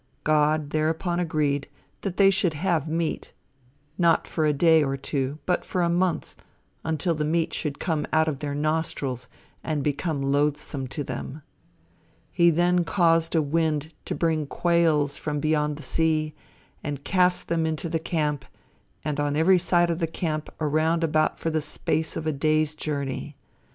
God thereupon agreed that they should have meat, not for a day or two, but for a month, until the meat should come out of their nostrils and become loathsome to them. He then caused a wind to bring quails from beyond the sea, and cast them into the camp, on every side of the camp around about for the space of a days journey.